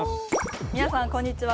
皆さんこんにちは。